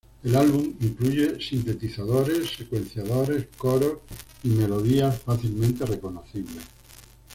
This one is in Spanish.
El álbum incluye sintetizadores, secuenciadores, coros y melodías fácilmente reconocibles.